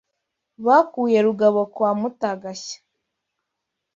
Bakuye Rugabo kwa Mutagashya